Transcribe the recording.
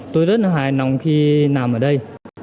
tôi rất là hài lòng khi nằm ở đây